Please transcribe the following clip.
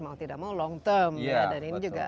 mau tidak mau long term dan ini juga